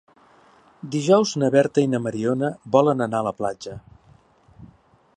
Dijous na Berta i na Mariona volen anar a la platja.